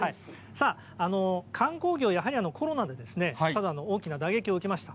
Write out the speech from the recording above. さあ、観光業、やはりコロナで佐渡も大きな打撃を受けました。